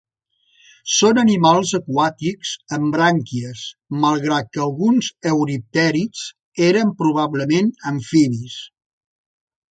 Són animals aquàtics, amb brànquies, malgrat que alguns euriptèrids eren probablement amfibis.